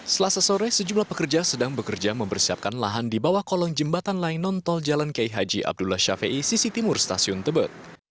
selasa sore sejumlah pekerja sedang bekerja mempersiapkan lahan di bawah kolong jembatan lain non tol jalan k h abdullah ⁇ shafii ⁇ sisi timur stasiun tebet